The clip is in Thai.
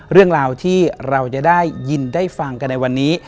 เรื่องราวที่เราจะได้ยินได้ฟังกันในวันนี้